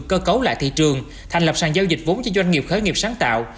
cơ cấu lại thị trường thành lập sàn giao dịch vốn cho doanh nghiệp khởi nghiệp sáng tạo